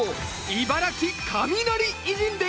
「茨城カミナリ偉人伝」。